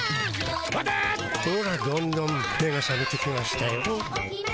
ほらどんどん目がさめてきましたよ。